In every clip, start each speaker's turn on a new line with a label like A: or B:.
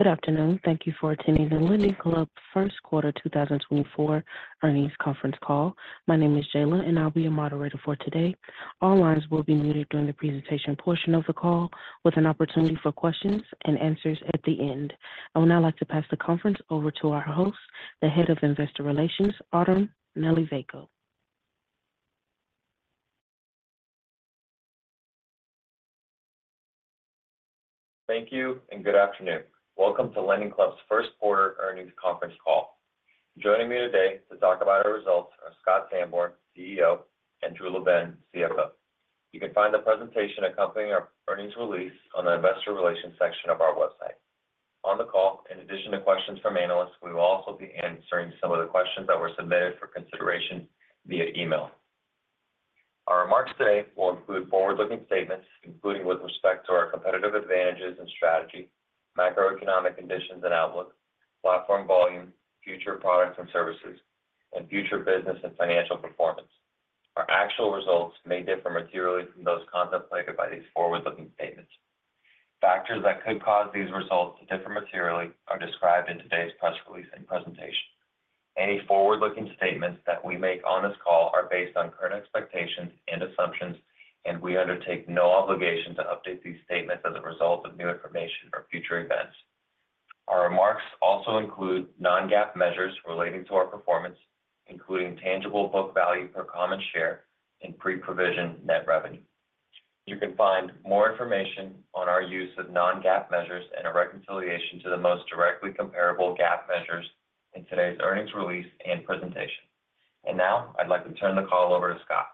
A: Good afternoon. Thank you for attending the LendingClub first quarter 2024 earnings conference call. My name is Jayla, and I'll be your moderator for today. All lines will be muted during the presentation portion of the call, with an opportunity for questions and answers at the end. I would now like to pass the conference over to our host, the Head of Investor Relations, Artem Nalivayko.
B: Thank you and good afternoon. Welcome to LendingClub's first quarter earnings conference call. Joining me today to talk about our results are Scott Sanborn, CEO, and Drew LaBenne, CFO. You can find the presentation accompanying our earnings release on the investor relations section of our website. On the call, in addition to questions from analysts, we will also be answering some of the questions that were submitted for consideration via email. Our remarks today will include forward-looking statements, including with respect to our competitive advantages and strategy, macroeconomic conditions and outlook, platform volume, future products and services, and future business and financial performance. Our actual results may differ materially from those contemplated by these forward-looking statements. Factors that could cause these results to differ materially are described in today's press release and presentation. Any forward-looking statements that we make on this call are based on current expectations and assumptions, and we undertake no obligation to update these statements as a result of new information or future events. Our remarks also include non-GAAP measures relating to our performance, including tangible book value per common share and pre-provision net revenue. You can find more information on our use of non-GAAP measures and a reconciliation to the most directly comparable GAAP measures in today's earnings release and presentation. And now, I'd like to turn the call over to Scott.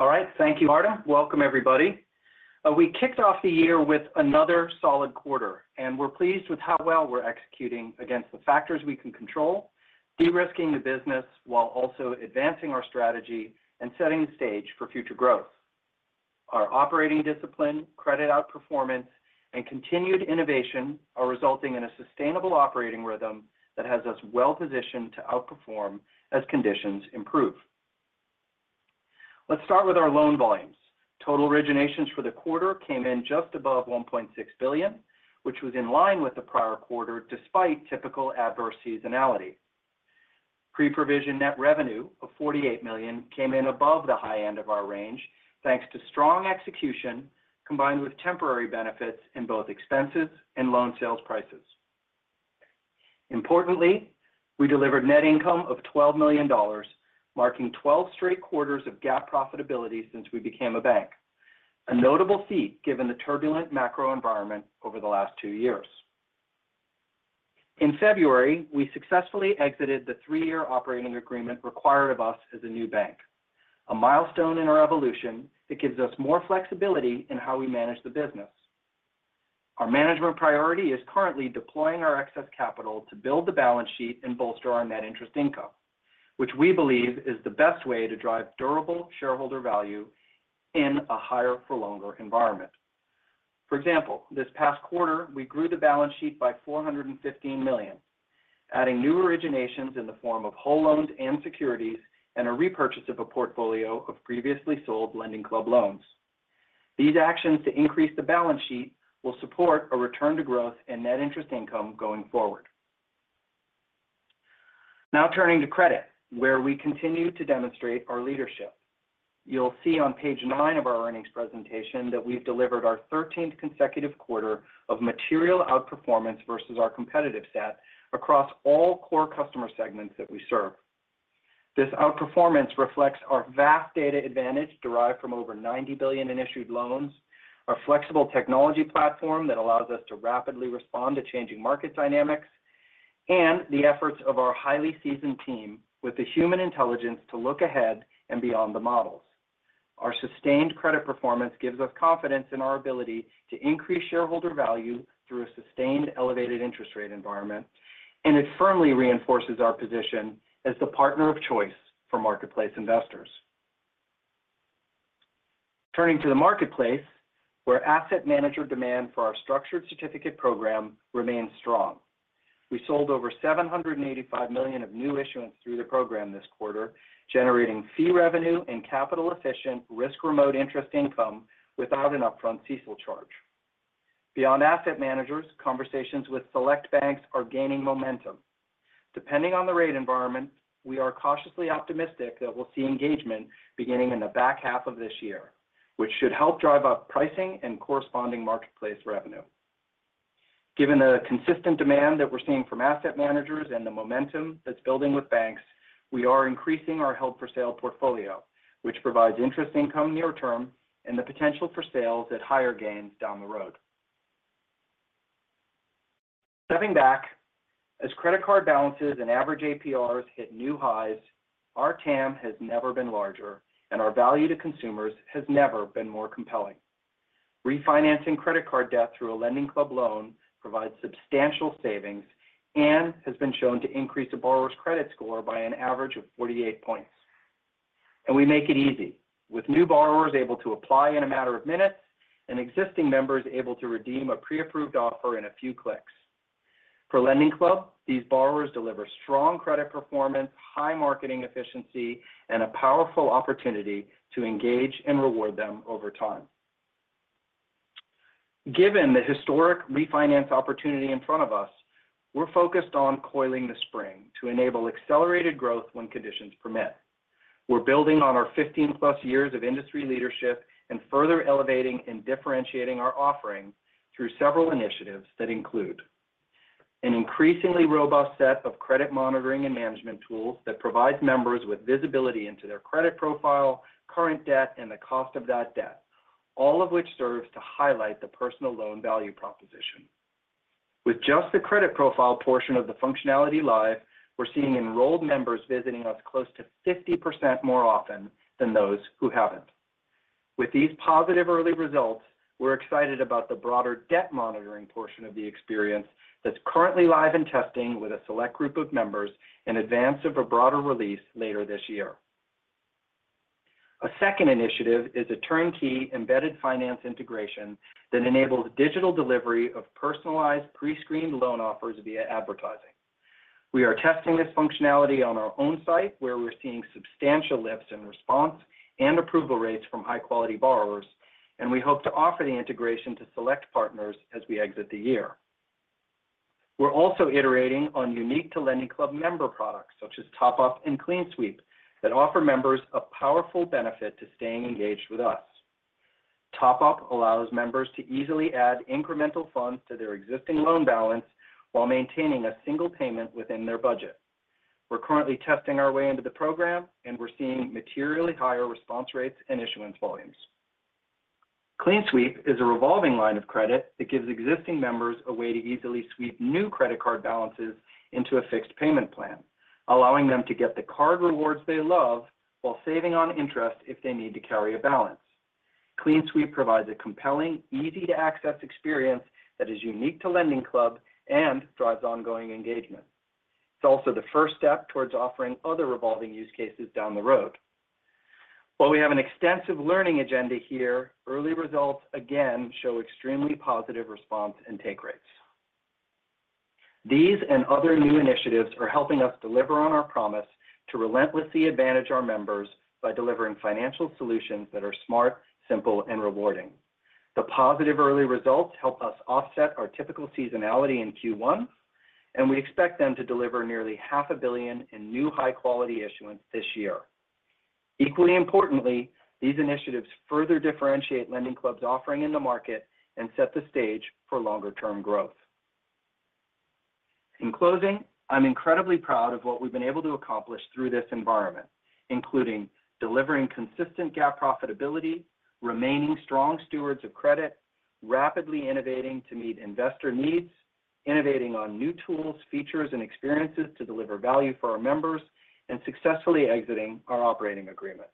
C: All right. Thank you, Artem. Welcome, everybody. We kicked off the year with another solid quarter, and we're pleased with how well we're executing against the factors we can control, de-risking the business while also advancing our strategy and setting the stage for future growth. Our operating discipline, credit outperformance, and continued innovation are resulting in a sustainable operating rhythm that has us well-positioned to outperform as conditions improve. Let's start with our loan volumes. Total originations for the quarter came in just above $1.6 billion, which was in line with the prior quarter, despite typical adverse seasonality. Pre-provision net revenue of $48 million came in above the high end of our range, thanks to strong execution, combined with temporary benefits in both expenses and loan sales prices. Importantly, we delivered net income of $12 million, marking 12 straight quarters of GAAP profitability since we became a bank. A notable feat, given the turbulent macro environment over the last two years. In February, we successfully exited the three-year operating agreement required of us as a new bank, a milestone in our evolution that gives us more flexibility in how we manage the business. Our management priority is currently deploying our excess capital to build the balance sheet and bolster our net interest income, which we believe is the best way to drive durable shareholder value in a higher-for-longer environment. For example, this past quarter, we grew the balance sheet by $415 million, adding new originations in the form of whole loans and securities and a repurchase of a portfolio of previously sold LendingClub loans. These actions to increase the balance sheet will support a return to growth and net interest income going forward. Now, turning to credit, where we continue to demonstrate our leadership. You'll see on page 9 of our earnings presentation that we've delivered our 13th consecutive quarter of material outperformance versus our competitive set across all core customer segments that we serve. This outperformance reflects our vast data advantage, derived from over $90 billion in issued loans, our flexible technology platform that allows us to rapidly respond to changing market dynamics, and the efforts of our highly seasoned team with the human intelligence to look ahead and beyond the models. Our sustained credit performance gives us confidence in our ability to increase shareholder value through a sustained elevated interest rate environment, and it firmly reinforces our position as the partner of choice for marketplace investors. Turning to the marketplace, where asset manager demand for our Structured Certificate Program remains strong. We sold over $785 million of new issuance through the program this quarter, generating fee revenue and capital-efficient, risk-remote interest income without an upfront CECL charge. Beyond asset managers, conversations with select banks are gaining momentum. Depending on the rate environment, we are cautiously optimistic that we'll see engagement beginning in the back half of this year, which should help drive up pricing and corresponding marketplace revenue. Given the consistent demand that we're seeing from asset managers and the momentum that's building with banks, we are increasing our held-for-sale portfolio, which provides interest income near term and the potential for sales at higher gains down the road. Stepping back, as credit card balances and average APRs hit new highs, our TAM has never been larger, and our value to consumers has never been more compelling. Refinancing credit card debt through a LendingClub loan provides substantial savings and has been shown to increase a borrower's credit score by an average of 48 points. And we make it easy, with new borrowers able to apply in a matter of minutes and existing members able to redeem a pre-approved offer in a few clicks. For LendingClub, these borrowers deliver strong credit performance, high marketing efficiency, and a powerful opportunity to engage and reward them over time. Given the historic refinance opportunity in front of us, we're focused on coiling the spring to enable accelerated growth when conditions permit. We're building on our 15+ years of industry leadership and further elevating and differentiating our offering through several initiatives that include: an increasingly robust set of credit monitoring and management tools that provides members with visibility into their credit profile, current debt, and the cost of that debt, all of which serves to highlight the personal loan value proposition. With just the credit profile portion of the functionality live, we're seeing enrolled members visiting us close to 50% more often than those who haven't. With these positive early results, we're excited about the broader debt monitoring portion of the experience that's currently live in testing with a select group of members in advance of a broader release later this year. A second initiative is a turnkey embedded finance integration that enables digital delivery of personalized, pre-screened loan offers via advertising. We are testing this functionality on our own site, where we're seeing substantial lifts in response and approval rates from high-quality borrowers, and we hope to offer the integration to select partners as we exit the year. We're also iterating on unique to LendingClub member products, such as Top-Up and CleanSweep, that offer members a powerful benefit to staying engaged with us. Top-Up allows members to easily add incremental funds to their existing loan balance while maintaining a single payment within their budget. We're currently testing our way into the program, and we're seeing materially higher response rates and issuance volumes. CleanSweep is a revolving line of credit that gives existing members a way to easily sweep new credit card balances into a fixed payment plan, allowing them to get the card rewards they love while saving on interest if they need to carry a balance. CleanSweep provides a compelling, easy-to-access experience that is unique to LendingClub and drives ongoing engagement. It's also the first step towards offering other revolving use cases down the road. While we have an extensive learning agenda here, early results again show extremely positive response and take rates. These and other new initiatives are helping us deliver on our promise to relentlessly advantage our members by delivering financial solutions that are smart, simple, and rewarding. The positive early results help us offset our typical seasonality in Q1, and we expect them to deliver nearly $500 million in new high-quality issuance this year. Equally importantly, these initiatives further differentiate LendingClub's offering in the market and set the stage for longer term growth. In closing, I'm incredibly proud of what we've been able to accomplish through this environment, including delivering consistent GAAP profitability, remaining strong stewards of credit, rapidly innovating to meet investor needs, innovating on new tools, features, and experiences to deliver value for our members, and successfully exiting our operating agreement.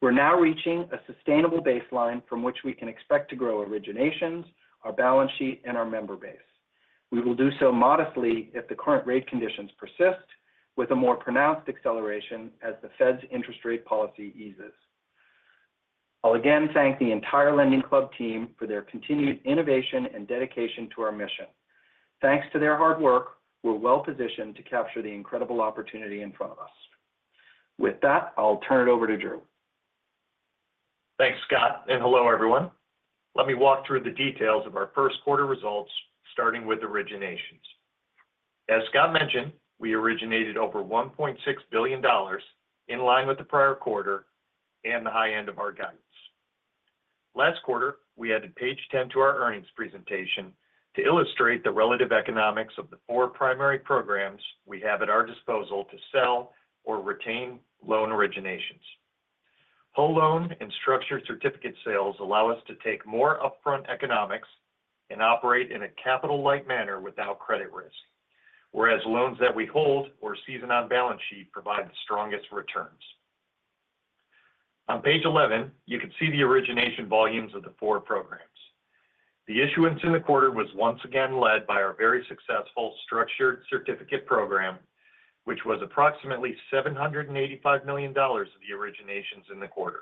C: We're now reaching a sustainable baseline from which we can expect to grow originations, our balance sheet, and our member base. We will do so modestly if the current rate conditions persist, with a more pronounced acceleration as the Fed's interest rate policy eases. I'll again thank the entire LendingClub team for their continued innovation and dedication to our mission. Thanks to their hard work, we're well-positioned to capture the incredible opportunity in front of us. With that, I'll turn it over to Drew.
D: Thanks, Scott, and hello, everyone. Let me walk through the details of our first quarter results, starting with originations. As Scott mentioned, we originated over $1.6 billion in line with the prior quarter and the high end of our guidance. Last quarter, we added page 10 to our earnings presentation to illustrate the relative economics of the four primary programs we have at our disposal to sell or retain loan originations. Whole loan and structured certificate sales allow us to take more upfront economics and operate in a capital-light manner without credit risk, whereas loans that we hold or season on balance sheet provide the strongest returns. On page 11, you can see the origination volumes of the four programs. The issuance in the quarter was once again led by our very successful Structured Certificate Program, which was approximately $785 million of the originations in the quarter.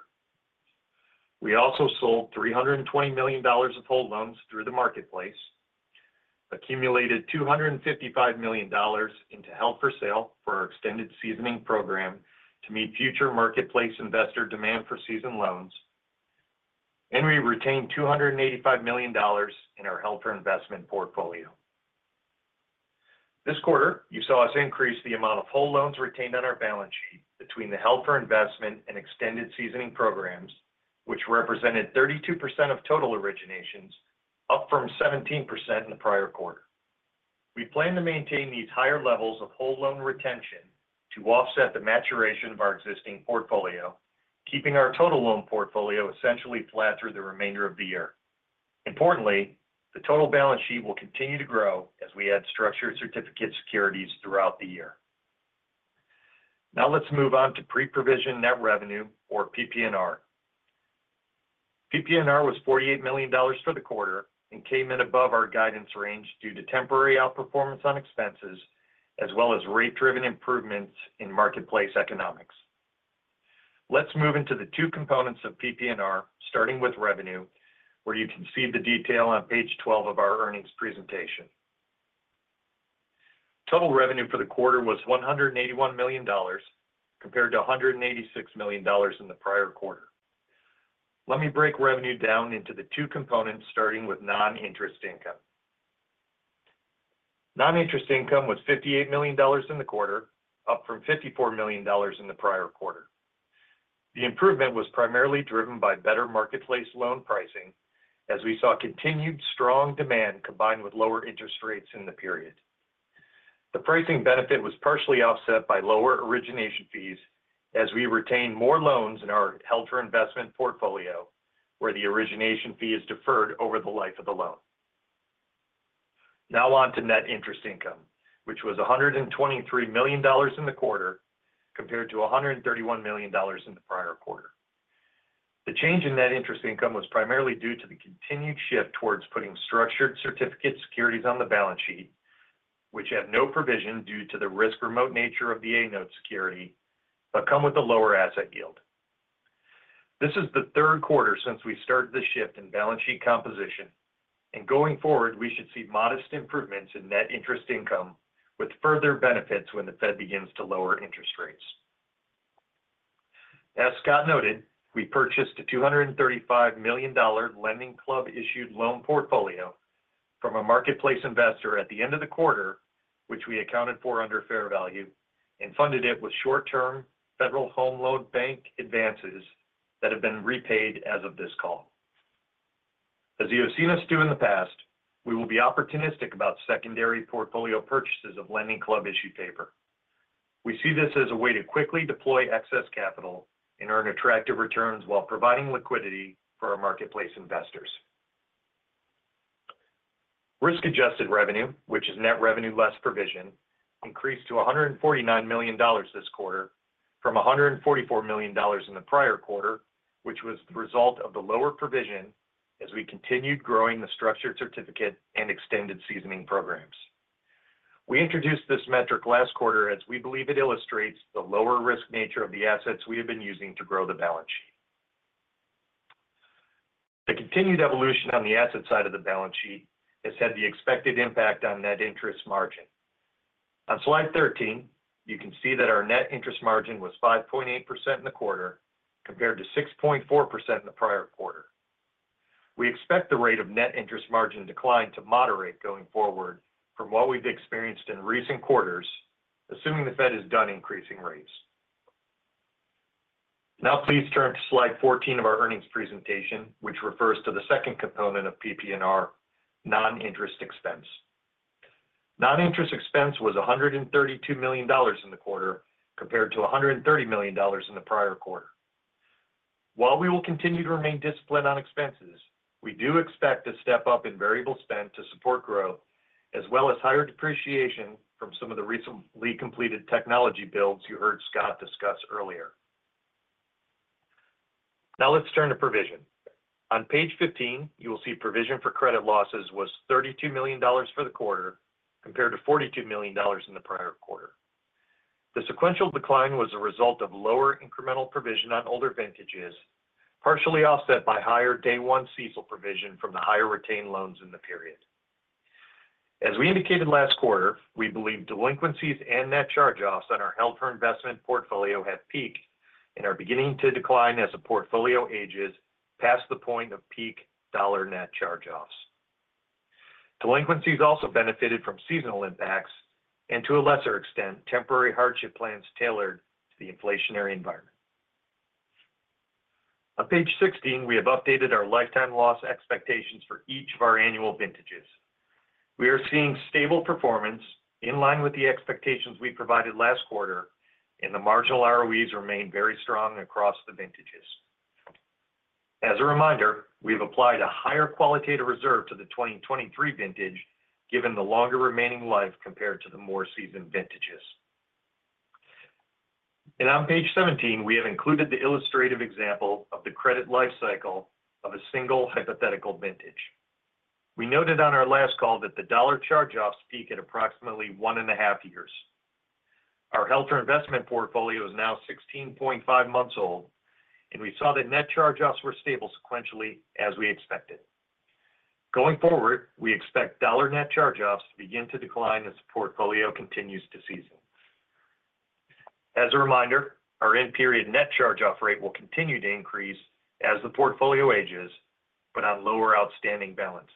D: We also sold $320 million of whole loans through the marketplace, accumulated $255 million into held for sale for our Extended Seasoning Program to meet future marketplace investor demand for seasoned loans, and we retained $285 million in our held-for-investment portfolio. This quarter, you saw us increase the amount of whole loans retained on our balance sheet between the held-for-investment and Extended Seasoning Program, which represented 32% of total originations, up from 17% in the prior quarter. We plan to maintain these higher levels of whole loan retention to offset the maturation of our existing portfolio, keeping our total loan portfolio essentially flat through the remainder of the year. Importantly, the total balance sheet will continue to grow as we add structured certificate securities throughout the year. Now, let's move on to pre-provision net revenue, or PPNR. PPNR was $48 million for the quarter and came in above our guidance range due to temporary outperformance on expenses, as well as rate-driven improvements in marketplace economics. Let's move into the two components of PPNR, starting with revenue, where you can see the detail on page 12 of our earnings presentation. Total revenue for the quarter was $181 million, compared to $186 million in the prior quarter. Let me break revenue down into the two components, starting with non-interest income. Non-interest income was $58 million in the quarter, up from $54 million in the prior quarter. The improvement was primarily driven by better marketplace loan pricing, as we saw continued strong demand, combined with lower interest rates in the period. The pricing benefit was partially offset by lower origination fees, as we retained more loans in our held-for-investment portfolio, where the origination fee is deferred over the life of the loan. Now, on to net interest income, which was $123 million in the quarter, compared to $131 million in the prior quarter. The change in net interest income was primarily due to the continued shift towards putting structured certificate securities on the balance sheet, which have no provision due to the risk-remote nature of the A-note security, but come with a lower asset yield. This is the third quarter since we started the shift in balance sheet composition, and going forward, we should see modest improvements in net interest income, with further benefits when the Fed begins to lower interest rates. As Scott noted, we purchased a $235 million LendingClub issued loan portfolio from a marketplace investor at the end of the quarter, which we accounted for under fair value, and funded it with short-term Federal Home Loan Bank advances that have been repaid as of this call. As you have seen us do in the past, we will be opportunistic about secondary portfolio purchases of LendingClub issued paper. We see this as a way to quickly deploy excess capital and earn attractive returns while providing liquidity for our marketplace investors. Risk-adjusted revenue, which is net revenue less provision, increased to $149 million this quarter from $144 million in the prior quarter, which was the result of the lower provision as we continued growing the Structured Certificate and Extended Seasoning programs. We introduced this metric last quarter, as we believe it illustrates the lower risk nature of the assets we have been using to grow the balance sheet. The continued evolution on the asset side of the balance sheet has had the expected impact on net interest margin. On slide 13, you can see that our net interest margin was 5.8% in the quarter, compared to 6.4% in the prior quarter. We expect the rate of net interest margin decline to moderate going forward from what we've experienced in recent quarters, assuming the Fed is done increasing rates. Now, please turn to slide 14 of our earnings presentation, which refers to the second component of PPNR, non-interest expense. Non-interest expense was $132 million in the quarter, compared to $130 million in the prior quarter. While we will continue to remain disciplined on expenses, we do expect a step up in variable spend to support growth, as well as higher depreciation from some of the recently completed technology builds you heard Scott discuss earlier. Now, let's turn to provision. On page 15, you will see provision for credit losses was $32 million for the quarter, compared to $42 million in the prior quarter. The sequential decline was a result of lower incremental provision on older vintages, partially offset by higher day one CECL provision from the higher retained loans in the period. As we indicated last quarter, we believe delinquencies and net charge-offs on our held-for-investment portfolio have peaked and are beginning to decline as the portfolio ages past the point of peak dollar net charge-offs. Delinquencies also benefited from seasonal impacts and, to a lesser extent, temporary hardship plans tailored to the inflationary environment. On page 16, we have updated our lifetime loss expectations for each of our annual vintages. We are seeing stable performance in line with the expectations we provided last quarter, and the marginal ROEs remain very strong across the vintages. As a reminder, we've applied a higher qualitative reserve to the 2023 vintage, given the longer remaining life compared to the more seasoned vintages. On page 17, we have included the illustrative example of the credit life cycle of a single hypothetical vintage. We noted on our last call that the dollar charge-offs peak at approximately 1.5 years. Our held-for-investment portfolio is now 16.5 months old, and we saw that net charge-offs were stable sequentially as we expected. Going forward, we expect dollar net charge-offs to begin to decline as the portfolio continues to season. As a reminder, our in-period net charge-off rate will continue to increase as the portfolio ages, but on lower outstanding balances.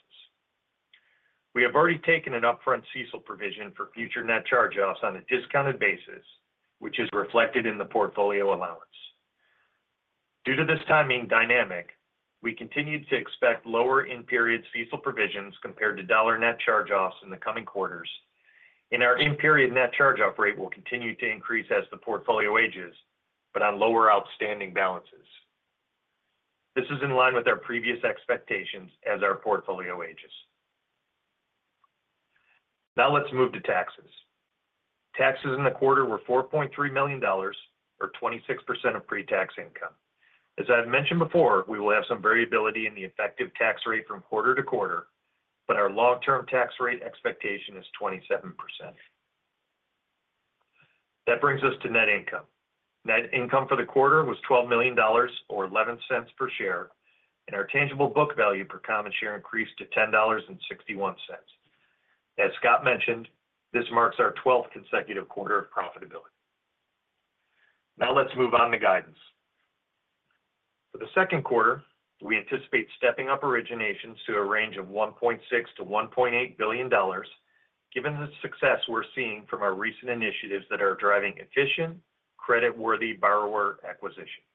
D: We have already taken an upfront CECL provision for future net charge-offs on a discounted basis, which is reflected in the portfolio allowance. Due to this timing dynamic, we continued to expect lower in-period CECL provisions compared to dollar net charge-offs in the coming quarters, and our in-period net charge-off rate will continue to increase as the portfolio ages, but on lower outstanding balances. This is in line with our previous expectations as our portfolio ages. Now, let's move to taxes. Taxes in the quarter were $4.3 million, or 26% of pre-tax income. As I've mentioned before, we will have some variability in the effective tax rate from quarter to quarter, but our long-term tax rate expectation is 27%. That brings us to net income. Net income for the quarter was $12 million, or $0.11 per share, and our tangible book value per common share increased to $10.61. As Scott mentioned, this marks our 12th consecutive quarter of profitability. Now let's move on to guidance. For the second quarter, we anticipate stepping up originations to a range of $1.6 billion-$1.8 billion, given the success we're seeing from our recent initiatives that are driving efficient, credit-worthy borrower acquisition.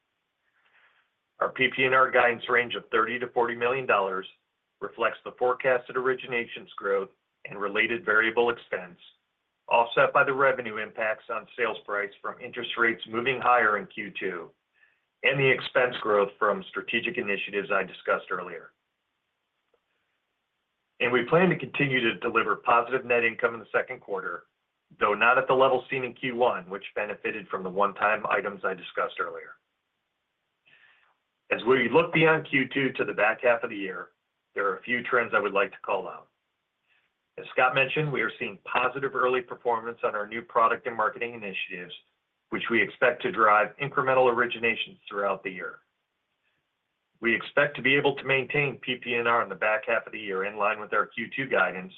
D: Our PPNR guidance range of $30 million-$40 million reflects the forecasted originations growth and related variable expense, offset by the revenue impacts on sales price from interest rates moving higher in Q2 and the expense growth from strategic initiatives I discussed earlier. We plan to continue to deliver positive net income in the second quarter, though not at the level seen in Q1, which benefited from the one-time items I discussed earlier. As we look beyond Q2 to the back half of the year, there are a few trends I would like to call out. As Scott mentioned, we are seeing positive early performance on our new product and marketing initiatives, which we expect to drive incremental originations throughout the year. We expect to be able to maintain PPNR in the back half of the year, in line with our Q2 guidance,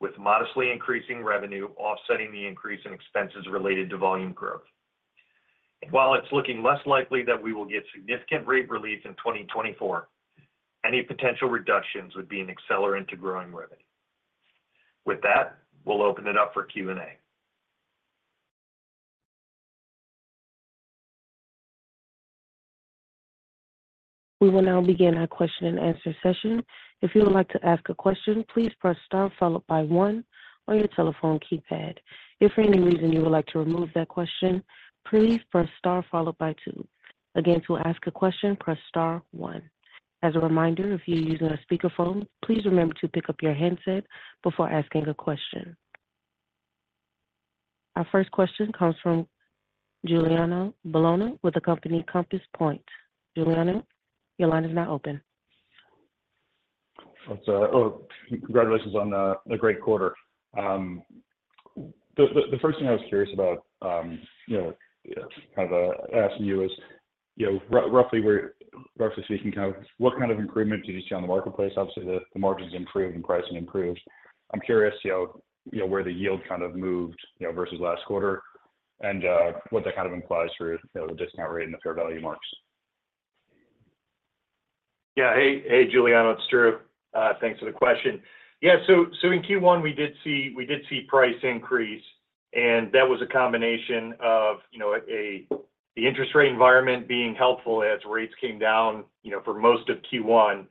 D: with modestly increasing revenue offsetting the increase in expenses related to volume growth. While it's looking less likely that we will get significant rate relief in 2024, any potential reductions would be an accelerant to growing revenue. With that, we'll open it up for Q&A.
A: We will now begin our question-and-answer session. If you would like to ask a question, please press star followed by one on your telephone keypad. If for any reason you would like to remove that question, please press star followed by two. Again, to ask a question, press star one. As a reminder, if you're using a speakerphone, please remember to pick up your handset before asking a question. Our first question comes from Giuliano Bologna with the company Compass Point. Giuliano, your line is now open.
E: Thanks, congratulations on the great quarter. The first thing I was curious about, you know, kind of asking you is, you know, roughly speaking, kind of what kind of improvement did you see on the marketplace? Obviously, the margins improved and pricing improved. I'm curious, you know, you know, where the yield kind of moved, you know, versus last quarter and what that kind of implies for, you know, the discount rate and the fair value marks.
D: Yeah. Hey, hey, Giuliano, it's Drew. Thanks for the question. Yeah, so, so in Q1, we did see price increase, and that was a combination of, you know, the interest rate environment being helpful as rates came down, you know, for most of Q1.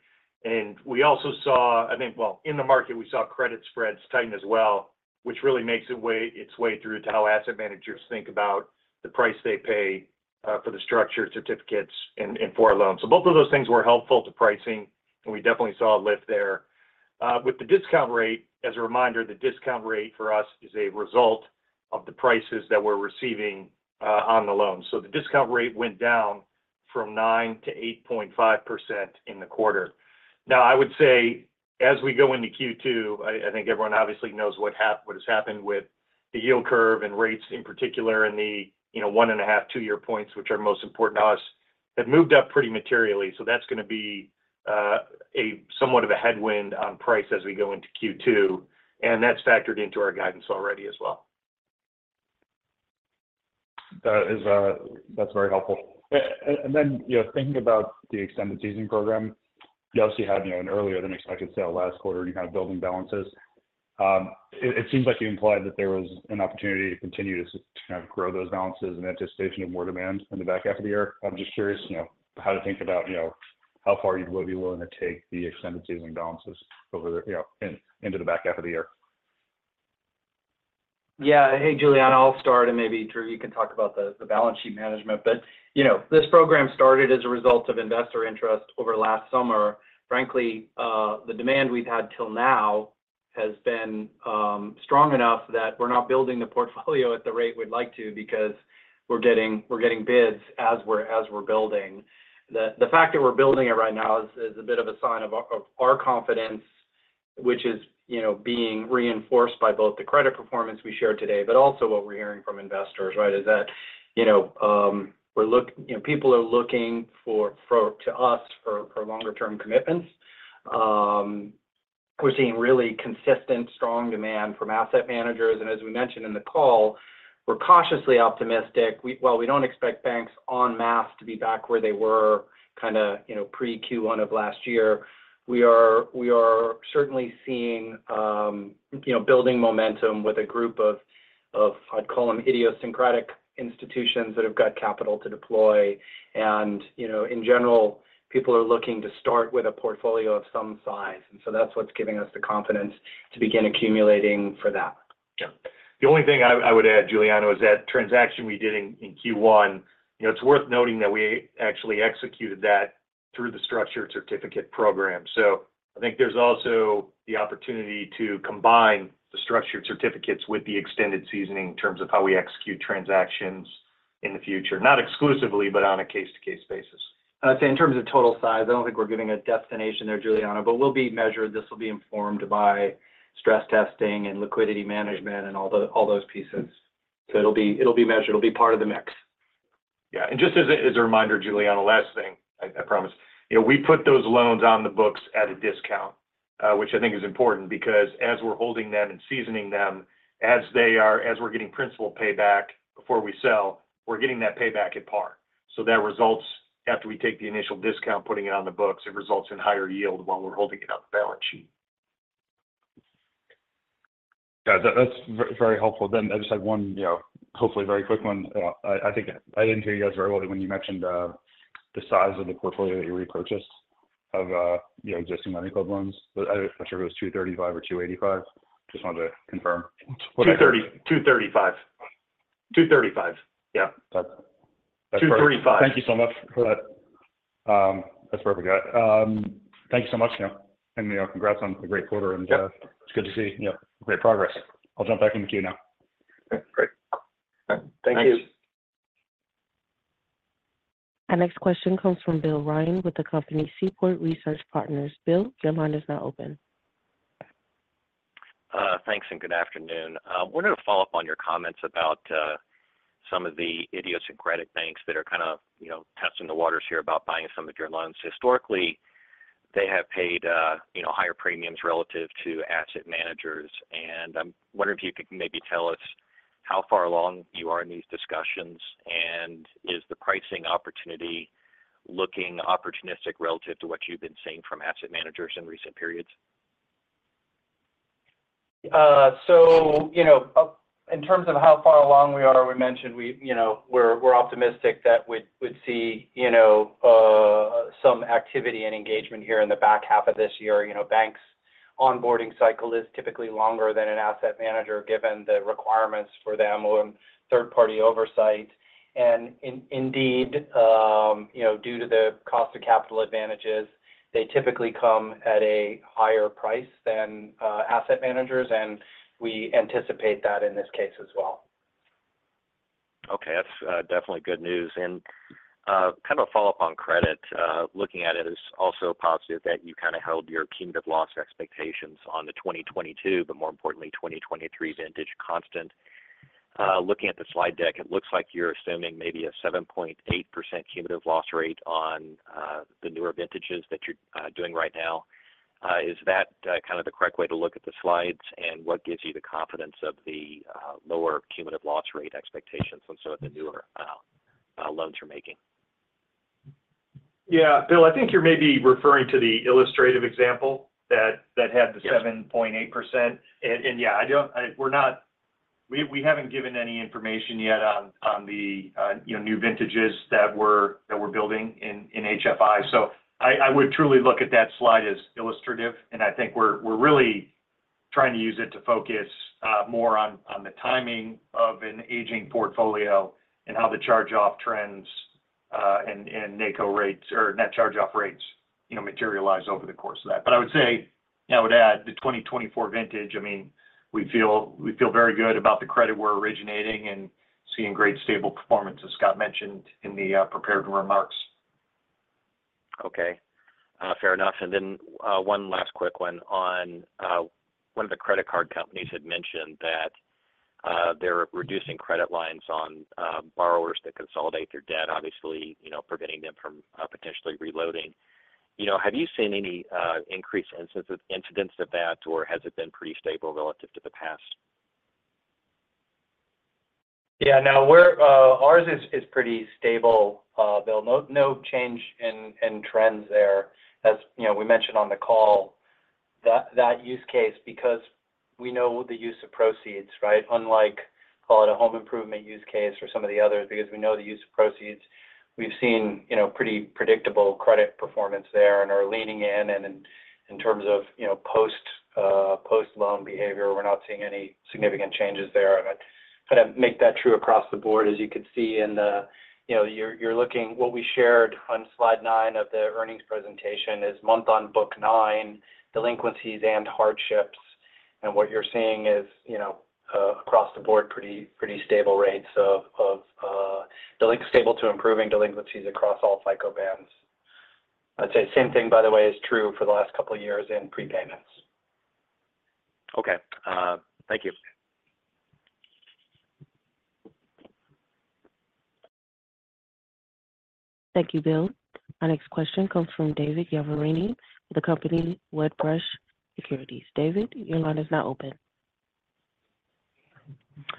D: And we also saw, I think, well, in the market, we saw credit spreads tighten as well, which really makes its way through to how asset managers think about the price they pay for the structured certificates and for our loans. So both of those things were helpful to pricing, and we definitely saw a lift there. With the discount rate, as a reminder, the discount rate for us is a result of the prices that we're receiving on the loans. So the discount rate went down from 9%-8.5% in the quarter. Now, I would say, as we go into Q2, I think everyone obviously knows what has happened with the yield curve and rates in particular in the, you know, 1.5- and 2-year points, which are most important to us, have moved up pretty materially. So that's going to be a somewhat of a headwind on price as we go into Q2, and that's factored into our guidance already as well.
E: That is. That's very helpful. And then, you know, thinking about the Extended Seasoning Program, you obviously had, you know, an earlier than expected sale last quarter and you're kind of building balances. It seems like you implied that there was an opportunity to continue to kind of grow those balances in anticipation of more demand in the back half of the year. I'm just curious, you know, how to think about, you know, how far you would be willing to take the Extended Seasoning Program balances over the, you know, into the back half of the year?
C: Yeah. Hey, Giuliano, I'll start, and maybe, Drew, you can talk about the balance sheet management. But, you know, this program started as a result of investor interest over last summer. Frankly, the demand we've had till now has been strong enough that we're not building the portfolio at the rate we'd like to because we're getting bids as we're building. The fact that we're building it right now is a bit of a sign of our confidence, which is, you know, being reinforced by both the credit performance we shared today, but also what we're hearing from investors, right? Is that, you know, people are looking to us for longer-term commitments. We're seeing really consistent, strong demand from asset managers. As we mentioned in the call, we're cautiously optimistic. Well, we don't expect banks en masse to be back where they were kind of, you know, pre-Q1 of last year. We are certainly seeing, you know, building momentum with a group of, I'd call them idiosyncratic institutions that have got capital to deploy. And, you know, in general, people are looking to start with a portfolio of some size, and so that's what's giving us the confidence to begin accumulating for that.
D: Yeah. The only thing I would add, Giuliano, is that transaction we did in Q1, you know, it's worth noting that we actually executed that through the Structured Certificate Program. So I think there's also the opportunity to combine the Structured Certificates with the Extended Seasoning in terms of how we execute transactions in the future, not exclusively, but on a case-to-case basis.
C: I'd say in terms of total size, I don't think we're giving a destination there, Giuliano, but we'll be measured. This will be informed by stress testing and liquidity management and all those, all those pieces. So it'll be, it'll be measured, it'll be part of the mix.
D: Yeah. And just as a reminder, Giuliano, last thing, I promise. You know, we put those loans on the books at a discount, which I think is important because as we're holding them and seasoning them, as we're getting principal payback before we sell, we're getting that payback at par. So that results, after we take the initial discount, putting it on the books, it results in higher yield while we're holding it on the balance sheet.
E: Yeah, that's very helpful. Then I just had one, you know, hopefully very quick one. I think I didn't hear you guys very well when you mentioned the size of the portfolio that you repurchased of, you know, existing LendingClub loans, but I'm not sure if it was $235 or $285. Just wanted to confirm.
D: $230, $235, $235. Yeah.
E: Got it.
D: $235.
E: Thank you so much for that. That's where we got. Thank you so much. Yeah, and, you know, congrats on the great quarter, and it's good to see, you know, great progress. I'll jump back in the queue now.
C: Great. Thank you.
A: Our next question comes from Bill Ryan with the company Seaport Research Partners. Bill, your line is now open.
F: Thanks, and good afternoon. I wanted to follow up on your comments about some of the idiosyncratic banks that are kind of, you know, testing the waters here about buying some of your loans. Historically, they have paid, you know, higher premiums relative to asset managers, and I'm wondering if you could maybe tell us how far along you are in these discussions, and is the pricing opportunity looking opportunistic relative to what you've been seeing from asset managers in recent periods?
C: So, you know, in terms of how far along we are, we mentioned we're optimistic that we'd see, you know, some activity and engagement here in the back half of this year. You know, banks' onboarding cycle is typically longer than an asset manager, given the requirements for them on third-party oversight. And indeed, you know, due to the cost of capital advantages, they typically come at a higher price than asset managers, and we anticipate that in this case as well.
F: Okay, that's definitely good news. And kind of a follow-up on credit, looking at it is also positive that you kind of held your cumulative loss expectations on the 2022, but more importantly, 2023 vintage constant. Looking at the slide deck, it looks like you're assuming maybe a 7.8% cumulative loss rate on the newer vintages that you're doing right now. Is that kind of the correct way to look at the slides? And what gives you the confidence of the lower cumulative loss rate expectations on some of the newer loans you're making?
D: Yeah. Bill, I think you're maybe referring to the illustrative example that had-
F: Yes
D: - the 7.8%. And, yeah, I don't - we're not - we haven't given any information yet on, you know, the new vintages that we're building in HFI. So I would truly look at that slide as illustrative, and I think we're really trying to use it to focus more on the timing of an aging portfolio and how the charge-off trends and NCO rates or net charge-off rates, you know, materialize over the course of that. But I would say, and I would add, the 2024 vintage, I mean, we feel very good about the credit we're originating and seeing great, stable performance, as Scott mentioned in the prepared remarks.
F: Okay. Fair enough. And then, one last quick one on, one of the credit card companies had mentioned that, they're reducing credit lines on, borrowers that consolidate their debt, obviously, you know, preventing them from, potentially reloading. You know, have you seen any, increased instances—incidents of that, or has it been pretty stable relative to the past?
C: Yeah, no, we're, ours is, is pretty stable, Bill. No, no change in, in trends there. As you know, we mentioned on the call that, that use case because we know the use of proceeds, right? Unlike, call it a home improvement use case or some of the others, because we know the use of proceeds. We've seen, you know, pretty predictable credit performance there and are leaning in. And in, in terms of, you know, post, post-loan behavior, we're not seeing any significant changes there. And I kind of make that true across the board, as you can see in the, you know, you're, you're looking, what we shared on slide 9 of the earnings presentation is month on book nine delinquencies and hardships. What you're seeing is, you know, across the board, pretty stable rates of stable to improving delinquencies across all FICO bands. I'd say the same thing, by the way, is true for the last couple of years in prepayments.
F: Okay. Thank you.
A: Thank you, Bill. Our next question comes from David Chiaverini with the company Wedbush Securities. David, your line is now open.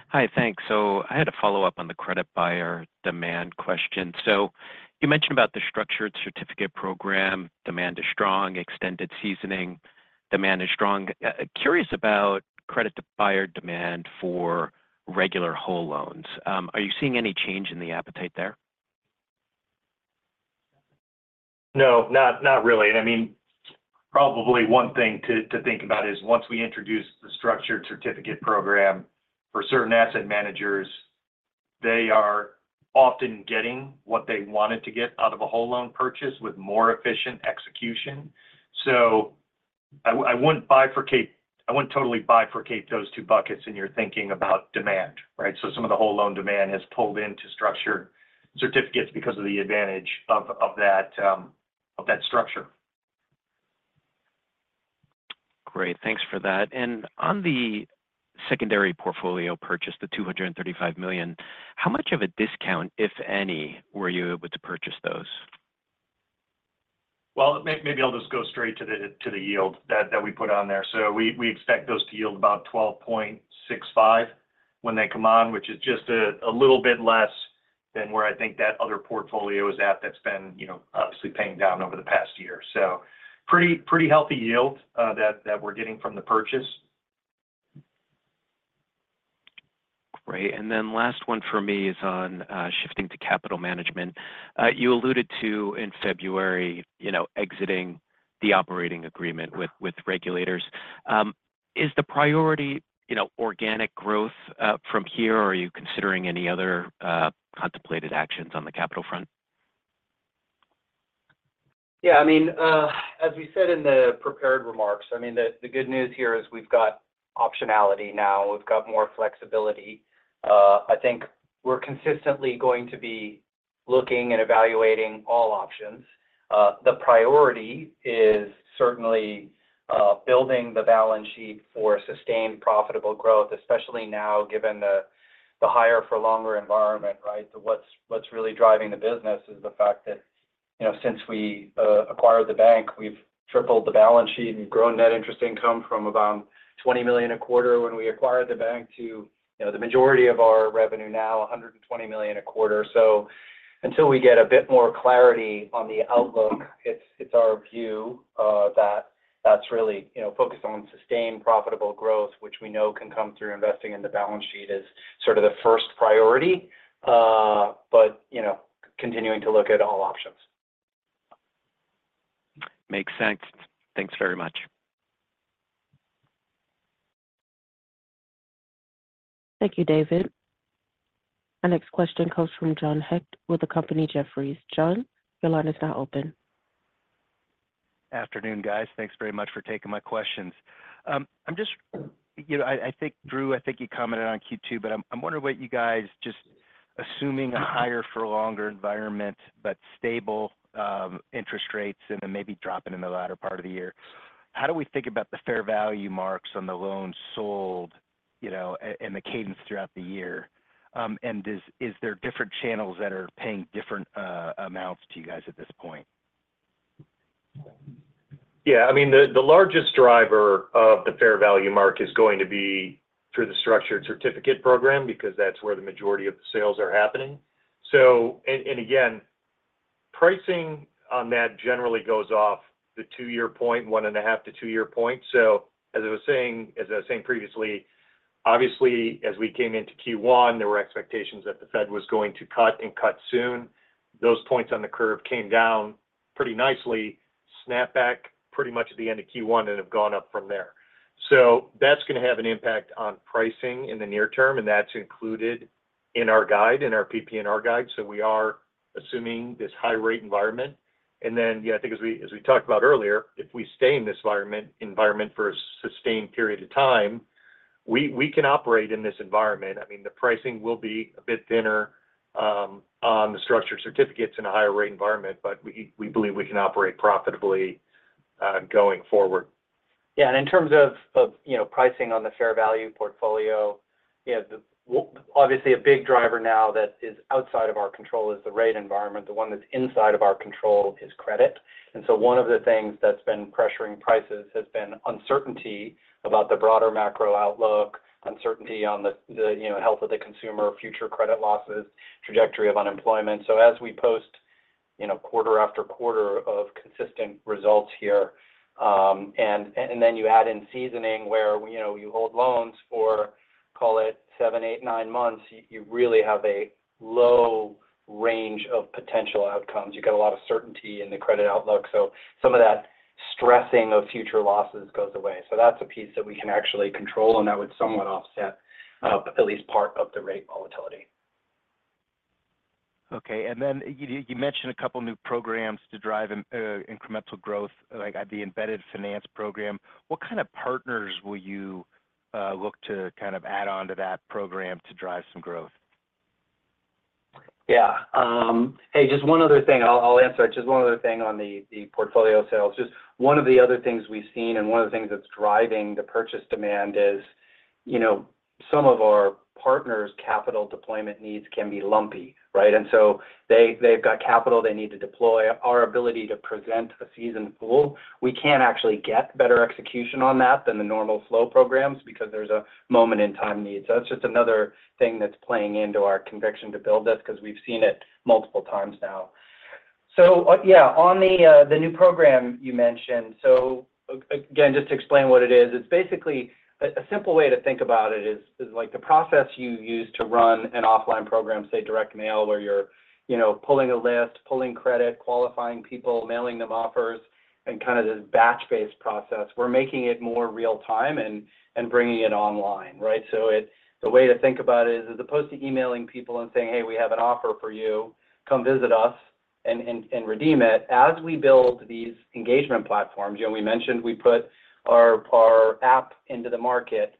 G: Hi, thanks. So I had a follow-up on the credit buyer demand question. So you mentioned about the Structured Certificate Program, demand is strong, Extended Seasoning, demand is strong. Curious about credit to buyer demand for regular whole loans. Are you seeing any change in the appetite there?
D: No, not really. I mean, probably one thing to think about is once we introduce the Structured Certificate Program for certain asset managers, they are often getting what they wanted to get out of a whole loan purchase with more efficient execution. So I wouldn't bifurcate. I wouldn't totally bifurcate those two buckets in your thinking about demand, right? So some of the whole loan demand has pulled into structured certificates because of the advantage of that structure.
G: Great, thanks for that. On the secondary portfolio purchase, the $235 million, how much of a discount, if any, were you able to purchase those?
D: Well, maybe I'll just go straight to the yield that we put on there. So we expect those to yield about 12.65 when they come on, which is just a little bit less than where I think that other portfolio is at that's been, you know, obviously paying down over the past year. So pretty healthy yield that we're getting from the purchase.
G: Great. Last one for me is on shifting to capital management. You alluded to in February, you know, exiting the operating agreement with, with regulators. Is the priority, you know, organic growth from here? Or are you considering any other contemplated actions on the capital front?
C: Yeah, I mean, as we said in the prepared remarks, I mean, the good news here is we've got optionality now. We've got more flexibility. I think we're consistently going to be looking and evaluating all options. The priority is certainly building the balance sheet for sustained profitable growth, especially now, given the higher for longer environment, right? So what's really driving the business is the fact that, you know, since we acquired the bank, we've tripled the balance sheet and grown net interest income from about $20 million a quarter when we acquired the bank to, you know, the majority of our revenue now, $120 million a quarter. So until we get a bit more clarity on the outlook, it's our view that that's really, you know, focused on sustained profitable growth, which we know can come through investing in the balance sheet as sort of the first priority. But, you know, continuing to look at all options.
G: Makes sense. Thanks very much.
A: Thank you, David. Our next question comes from John Hecht with the company Jefferies. John, your line is now open.
H: Afternoon, guys. Thanks very much for taking my questions. I'm just—you know, I think, Drew, I think you commented on Q2, but I'm wondering what you guys just assuming a higher for longer environment, but stable, interest rates and then maybe dropping in the latter part of the year, how do we think about the fair value marks on the loans sold, you know, and the cadence throughout the year? And is there different channels that are paying different amounts to you guys at this point?
D: Yeah, I mean, the largest driver of the fair value mark is going to be through the Structured Certificate Program because that's where the majority of the sales are happening. So, and again, pricing on that generally goes off the two-year point, 1.5- to 2-year point. So as I was saying, as I was saying previously, obviously, as we came into Q1, there were expectations that the Fed was going to cut and cut soon. Those points on the curve came down pretty nicely, snapped back pretty much at the end of Q1 and have gone up from there. So that's going to have an impact on pricing in the near term, and that's included in our guide, in our PPNR guide. So we are assuming this high-rate environment. Yeah, I think as we talked about earlier, if we stay in this environment for a sustained period of time, we can operate in this environment. I mean, the pricing will be a bit thinner on the structured certificates in a higher rate environment, but we believe we can operate profitably going forward.
C: Yeah, and in terms of, of, you know, pricing on the fair value portfolio, yeah, obviously, a big driver now that is outside of our control is the rate environment. The one that's inside of our control is credit. And so one of the things that's been pressuring prices has been uncertainty about the broader macro outlook, uncertainty on the, the, you know, health of the consumer, future credit losses, trajectory of unemployment. So as we post, you know, quarter-after-quarter of consistent results here, and then you add in seasoning where, you know, you hold loans for, call it seven, eight, nine months, you really have a low range of potential outcomes. You get a lot of certainty in the credit outlook. So some of that stressing of future losses goes away. So that's a piece that we can actually control, and that would somewhat offset, at least part of the rate volatility.
H: Okay. And then you mentioned a couple new programs to drive incremental growth, like the embedded finance program. What kind of partners will you look to kind of add on to that program to drive some growth?
C: Yeah. Hey, just one other thing. I'll answer it. Just one other thing on the portfolio sales. Just one of the other things we've seen and one of the things that's driving the purchase demand is, you know, some of our partners' capital deployment needs can be lumpy, right? And so they've got capital they need to deploy. Our ability to present a seasoned pool, we can actually get better execution on that than the normal slow programs because there's a moment in time need. So that's just another thing that's playing into our conviction to build this because we've seen it multiple times now. So, yeah, on the new program you mentioned, so again, just to explain what it is, it's basically... A simple way to think about it is like the process you use to run an offline program, say, direct mail, where you're, you know, pulling a list, pulling credit, qualifying people, mailing them offers, and kind of this batch-based process. We're making it more real time and bringing it online, right? So the way to think about it is, as opposed to emailing people and saying, "Hey, we have an offer for you, come visit us," and redeem it. As we build these engagement platforms, you know, we mentioned we put our app into the market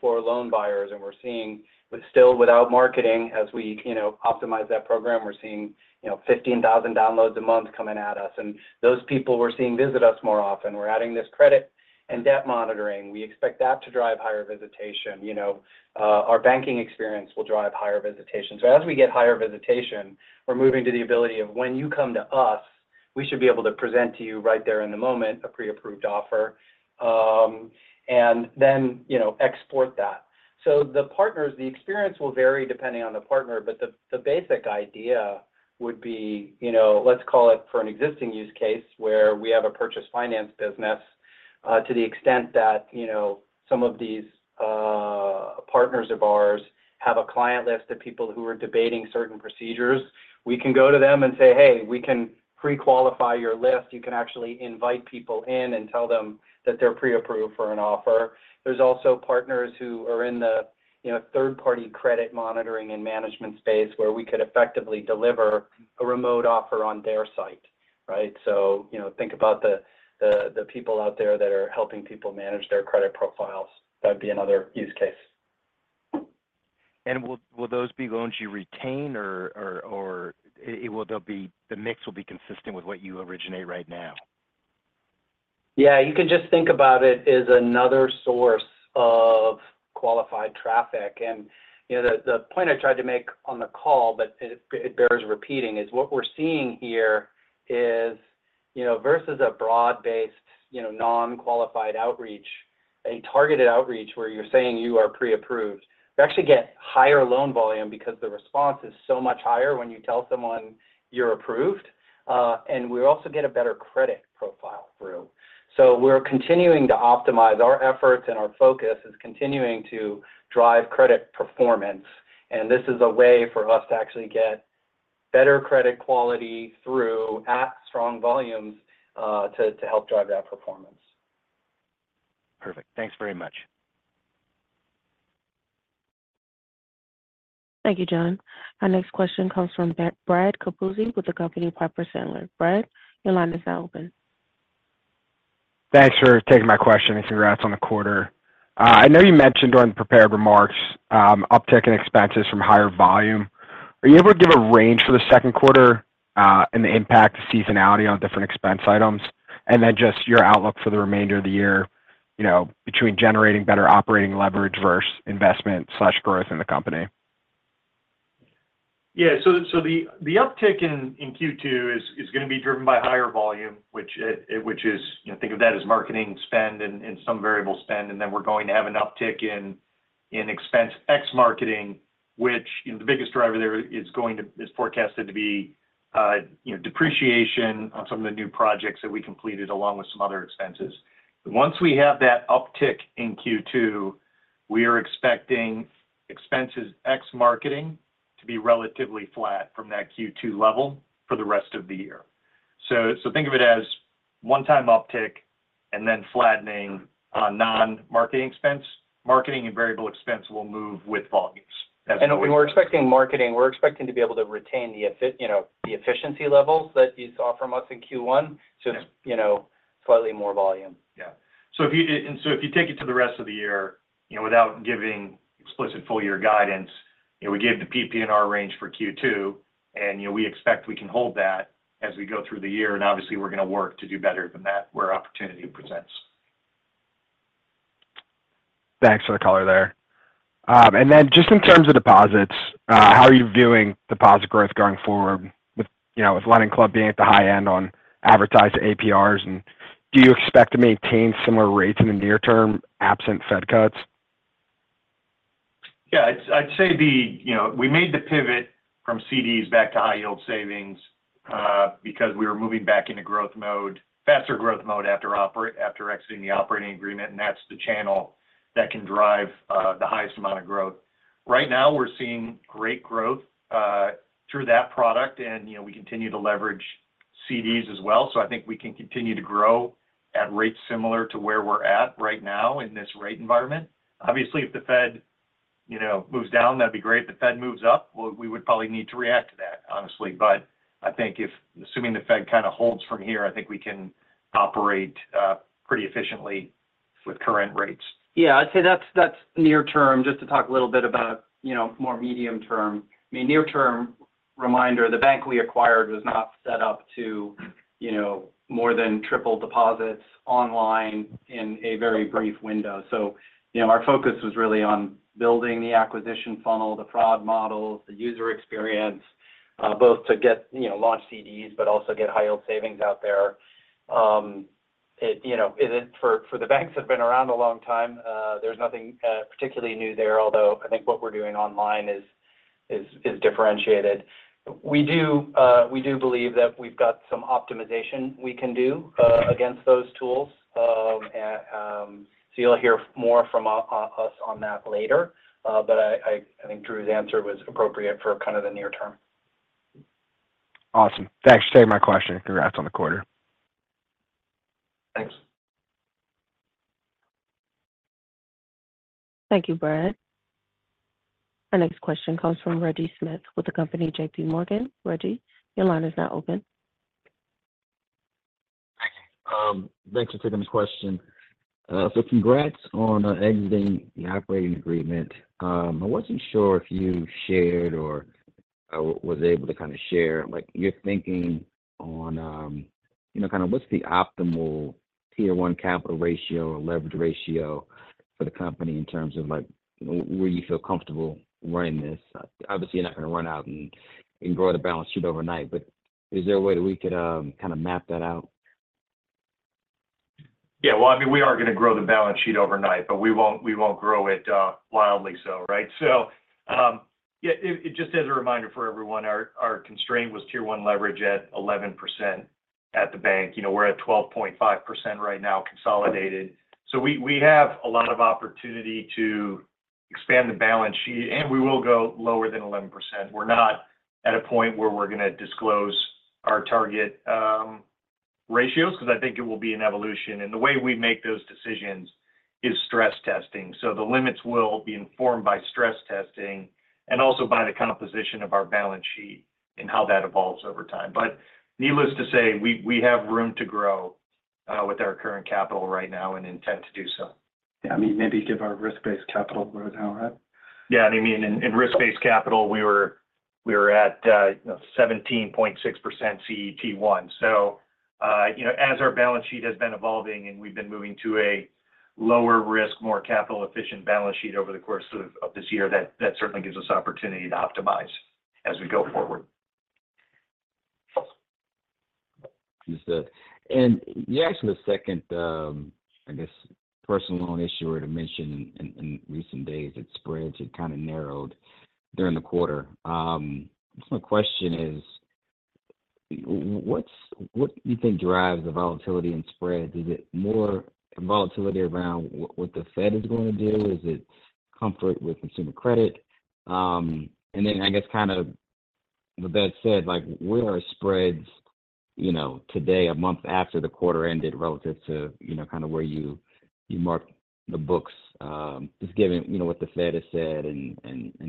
C: for loan buyers, and we're seeing, but still without marketing, as we, you know, optimize that program, we're seeing, you know, 15,000 downloads a month coming at us. And those people we're seeing visit us more often. We're adding this credit and debt monitoring. We expect that to drive higher visitation. You know, our banking experience will drive higher visitation. So as we get higher visitation, we're moving to the ability of when you come to us, we should be able to present to you right there in the moment, a pre-approved offer, and then, you know, export that. So the partners, the experience will vary depending on the partner, but the, the basic idea would be, you know, let's call it for an existing use case, where we have a purchase finance business, to the extent that, you know, some of these partners of ours have a client list of people who are debating certain procedures. We can go to them and say, "Hey, we can pre-qualify your list. You can actually invite people in and tell them that they're pre-approved for an offer." There's also partners who are in the, you know, third-party credit monitoring and management space, where we could effectively deliver a remote offer on their site, right? So, you know, think about the people out there that are helping people manage their credit profiles. That'd be another use case.
H: Will those be loans you retain or the mix will be consistent with what you originate right now?
C: Yeah, you can just think about it as another source of qualified traffic. You know, the point I tried to make on the call, but it bears repeating, is what we're seeing here is, you know, versus a broad-based, you know, non-qualified outreach, a targeted outreach where you're saying you are pre-approved, you actually get higher loan volume because the response is so much higher when you tell someone you're approved, and we also get a better credit profile through. So we're continuing to optimize our efforts, and our focus is continuing to drive credit performance, and this is a way for us to actually get better credit quality through at strong volumes, to help drive that performance.
H: Perfect. Thanks very much.
A: Thank you, John. Our next question comes from Brad Capuzzi with the company Piper Sandler. Brad, your line is now open.
I: Thanks for taking my question, and congrats on the quarter. I know you mentioned during the prepared remarks, uptick in expenses from higher volume. Are you able to give a range for the second quarter, and the impact of seasonality on different expense items, and then just your outlook for the remainder of the year, you know, between generating better operating leverage versus investment/growth in the company?
D: Yeah. So the uptick in Q2 is gonna be driven by higher volume, which is... You know, think of that as marketing spend and some variable spend, and then we're going to have an uptick in expenses ex marketing, which, you know, the biggest driver there is forecasted to be, you know, depreciation on some of the new projects that we completed, along with some other expenses. Once we have that uptick in Q2, we are expecting expenses ex marketing to be relatively flat from that Q2 level for the rest of the year. So think of it as one-time uptick and then flattening on non-marketing expense. Marketing and variable expense will move with volumes as-
C: When we're expecting marketing, we're expecting to be able to retain the efficiency, you know, the efficiency levels that you saw from us in Q1-
D: Yeah....
C: so, you know, slightly more volume.
D: Yeah. So if you take it to the rest of the year, you know, without giving explicit full year guidance, you know, we gave the PPNR range for Q2, and, you know, we expect we can hold that as we go through the year, and obviously, we're gonna work to do better than that, where opportunity presents.
I: Thanks for the color there. And then just in terms of deposits, how are you viewing deposit growth going forward with, you know, with LendingClub being at the high end on advertised APRs, and do you expect to maintain similar rates in the near term, absent Fed cuts?
D: Yeah, I'd say the... You know, we made the pivot from CDs back to high-yield savings, because we were moving back into growth mode, faster growth mode after exiting the operating agreement, and that's the channel that can drive the highest amount of growth. Right now, we're seeing great growth through that product, and, you know, we continue to leverage CDs as well, so I think we can continue to grow at rates similar to where we're at right now in this rate environment. Obviously, if the Fed, you know, moves down, that'd be great. If the Fed moves up, well, we would probably need to react to that, honestly. But I think assuming the Fed kind of holds from here, I think we can operate pretty efficiently with current rates.
C: Yeah, I'd say that's, that's near term. Just to talk a little bit about, you know, more medium term. I mean, near term reminder, the bank we acquired was not set up to, you know, more than triple deposits online in a very brief window. So, you know, our focus was really on building the acquisition funnel, the fraud models, the user experience, both to get, you know, launch CDs, but also get high-yield savings out there. It, you know, it is- for, for the banks that have been around a long time, there's nothing particularly new there, although I think what we're doing online is, is, is differentiated. We do, we do believe that we've got some optimization we can do against those tools. So you'll hear more from us on that later. I think Drew's answer was appropriate for kind of the near term.
I: Awesome. Thanks for taking my question, and congrats on the quarter.
C: Thanks.
A: Thank you, Brad. Our next question comes from Reggie Smith with the company J.P. Morgan. Reggie, your line is now open.
J: Thank you. Thanks for taking the question. Congrats on exiting the operating agreement. I wasn't sure if you shared or was able to kind of share, like, your thinking on, you know, kind of what's the optimal Tier 1 capital ratio or leverage ratio for the company in terms of, like, where you feel comfortable running this? Obviously, you're not going to run out and grow the balance sheet overnight, but is there a way that we could kind of map that out?
D: Yeah, well, I mean, we are going to grow the balance sheet overnight, but we won't, we won't grow it wildly so, right? So, yeah, it just as a reminder for everyone, our constraint was Tier 1 leverage at 11% at the bank. You know, we're at 12.5% right now, consolidated. So we have a lot of opportunity to expand the balance sheet, and we will go lower than 11%. We're not at a point where we're going to disclose our target ratios, because I think it will be an evolution. And the way we make those decisions is stress testing. So the limits will be informed by stress testing and also by the composition of our balance sheet and how that evolves over time. Needless to say, we have room to grow with our current capital right now and intend to do so.
J: Yeah, I mean, maybe give our risk-based capital breakdown, right?
D: Yeah, and I mean, in risk-based capital, we were at 17.6% CET1. So, you know, as our balance sheet has been evolving and we've been moving to a lower risk, more capital-efficient balance sheet over the course of this year, that certainly gives us opportunity to optimize as we go forward.
J: Understood. And yeah, actually, the second, I guess, personal loan issuer to mention in recent days, its spreads have kind of narrowed during the quarter. So my question is: what do you think drives the volatility in spreads? Is it more volatility around what the Fed is going to do? Is it comfort with consumer credit? And then, I guess, kind of, the Fed said, like, where are spreads, you know, today, a month after the quarter ended, relative to, you know, kind of where you marked the books, just given, you know, what the Fed has said and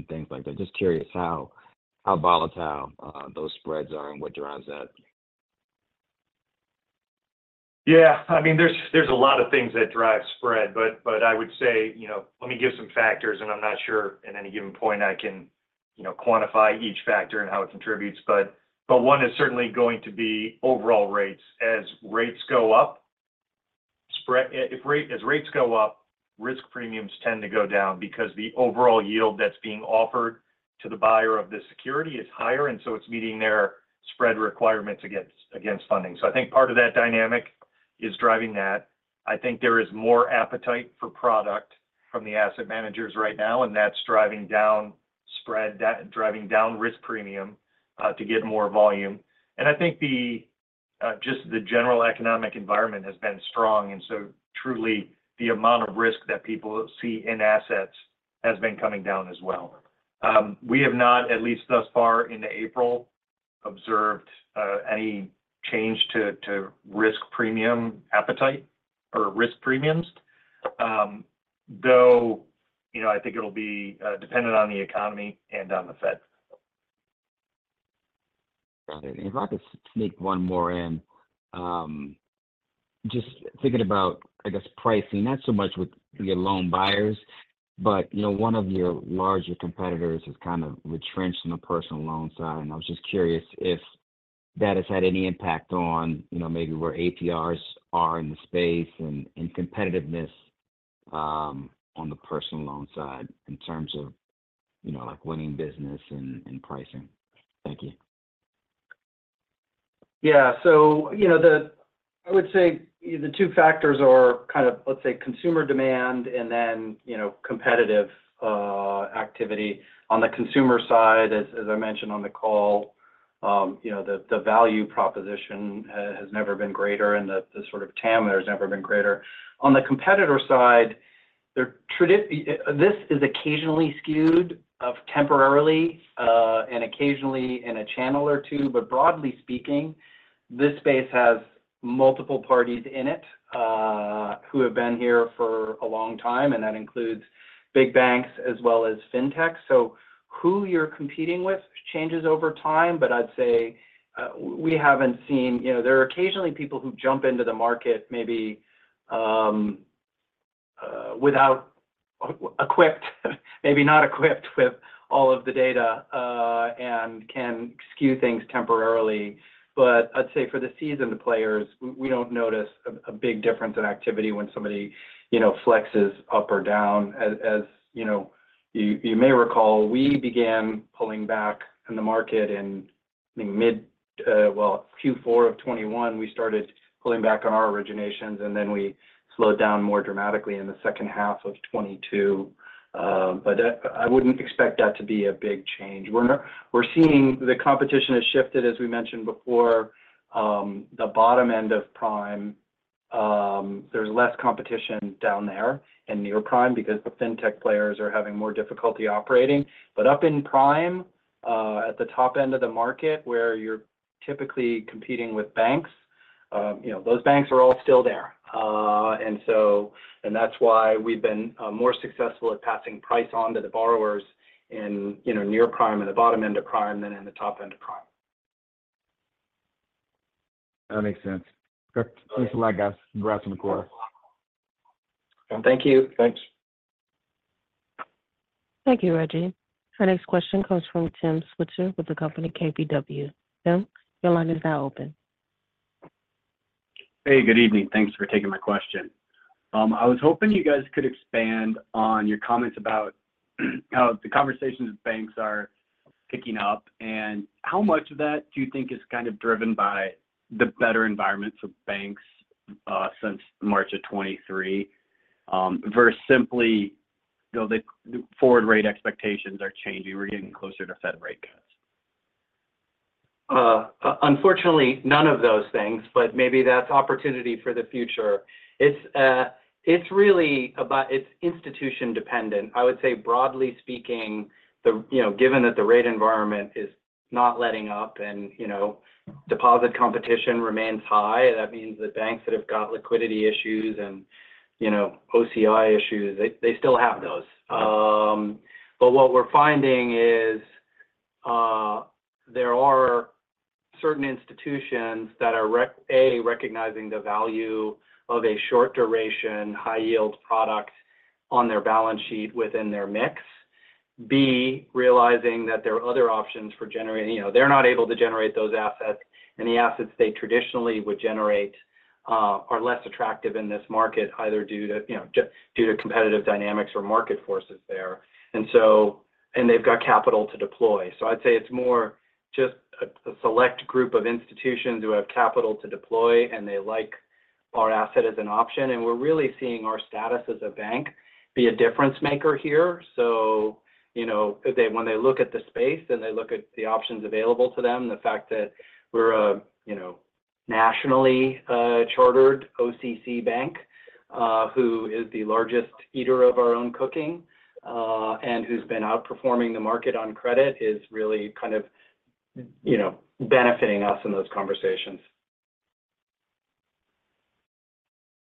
J: things like that? Just curious how volatile those spreads are and what drives that.
D: Yeah, I mean, there's a lot of things that drive spread. But I would say, you know. Let me give some factors, and I'm not sure at any given point I can, you know, quantify each factor and how it contributes, but one is certainly going to be overall rates. As rates go up, spread. As rates go up, risk premiums tend to go down because the overall yield that's being offered to the buyer of the security is higher, and so it's meeting their spread requirements against funding. So I think part of that dynamic is driving that. I think there is more appetite for product from the asset managers right now, and that's driving down spread, driving down risk premium to get more volume. And I think the just the general economic environment has been strong, and so truly, the amount of risk that people see in assets has been coming down as well. We have not, at least thus far into April, observed any change to risk premium appetite or risk premiums. Though, you know, I think it'll be dependent on the economy and on the Fed.
J: Got it. And if I could sneak one more in. Just thinking about, I guess, pricing, not so much with your loan buyers, but, you know, one of your larger competitors is kind of retrenched on the personal loan side, and I was just curious if that has had any impact on, you know, maybe where APRs are in the space and, and competitiveness, on the personal loan side in terms of, you know, like, winning business and, and pricing. Thank you.
C: Yeah. So, you know, I would say the two factors are kind of, let's say, consumer demand and then, you know, competitive activity. On the consumer side, as I mentioned on the call, you know, the value proposition has never been greater and the sort of TAM has never been greater. On the competition side, traditionally this is occasionally skewed or temporarily, and occasionally in a channel or two, but broadly speaking, this space has multiple parties in it, who have been here for a long time, and that includes big banks as well as Fintech. So who you're competing with changes over time, but I'd say, we haven't seen. You know, there are occasionally people who jump into the market, maybe not equipped with all of the data, and can skew things temporarily. But I'd say for the seasoned players, we don't notice a big difference in activity when somebody, you know, flexes up or down. As you know, you may recall, we began pulling back in the market in mid, well, Q4 of 2021, we started pulling back on our originations, and then we slowed down more dramatically in the second half of 2022. But I wouldn't expect that to be a big change. We're seeing the competition has shifted, as we mentioned before, the bottom end of prime. There's less competition down there in near prime because the fintech players are having more difficulty operating. But up in prime, at the top end of the market, where you're typically competing with banks. You know, those banks are all still there. And that's why we've been more successful at passing price on to the borrowers in, you know, near prime and the bottom end of prime than in the top end of prime.
K: That makes sense. Great. Thanks a lot, guys. Congrats on the quarter.
J: Thank you.
C: Thanks.
A: Thank you, Reggie. Our next question comes from Tim Switzer with the company KBW. Tim, your line is now open.
L: Hey, good evening. Thanks for taking my question. I was hoping you guys could expand on your comments about how the conversations with banks are picking up, and how much of that do you think is kind of driven by the better environments of banks since March of 2023 versus simply, you know, the forward rate expectations are changing, we're getting closer to Fed rate cuts?
C: Unfortunately, none of those things, but maybe that's opportunity for the future. It's really about, it's institution dependent. I would say broadly speaking, you know, given that the rate environment is not letting up and, you know, deposit competition remains high, that means the banks that have got liquidity issues and, you know, OCI issues, they still have those. But what we're finding is, there are certain institutions that are A, recognizing the value of a short-duration, high-yield product on their balance sheet within their mix. B, realizing that there are other options for generating. You know, they're not able to generate those assets, and the assets they traditionally would generate are less attractive in this market, either due to, you know, due to competitive dynamics or market forces there. And so and they've got capital to deploy. So I'd say it's more just a select group of institutions who have capital to deploy, and they like our asset as an option, and we're really seeing our status as a bank be a difference maker here. So, you know, they, when they look at the space and they look at the options available to them, the fact that we're a, you know, nationally chartered OCC bank, who is the largest eater of our own cooking, and who's been outperforming the market on credit, is really kind of, you know, benefiting us in those conversations.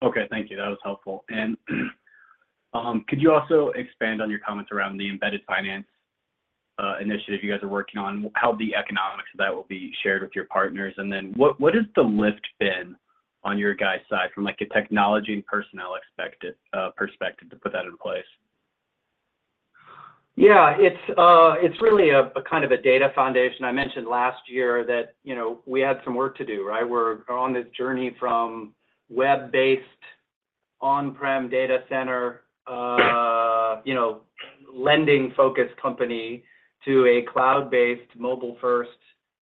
L: Okay, thank you. That was helpful. And could you also expand on your comments around the embedded finance initiative you guys are working on? How the economics of that will be shared with your partners, and then what has the lift been on your guys' side from, like, a technology and personnel expected perspective to put that in place?
C: Yeah, it's really a kind of a data foundation. I mentioned last year that, you know, we had some work to do, right? We're on this journey from web-based, on-prem data center, you know, lending-focused company to a cloud-based, mobile-first,